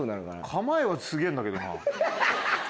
構えはすげぇんだけどな。